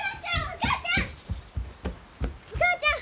お母ちゃん